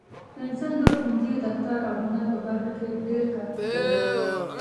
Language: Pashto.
پنسل د ښوونځي، دفتر، او هنر په برخه کې ډېر کارول کېږي.